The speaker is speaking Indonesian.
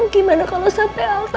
gimana kalau sampai alta